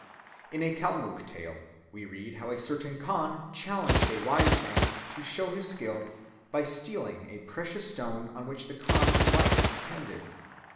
In a Kalmuck tale we read how a certain khan challenged a wise man to show his skill by stealing a precious stone on which the khan's life depended.